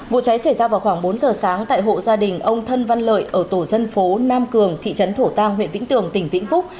vụ cháy xảy ra vào khoảng bốn giờ sáng tại hộ gia đình ông thân văn lợi ở tổ dân phố nam cường thị trấn thổ tàng huyện vĩnh tường tỉnh vĩnh phúc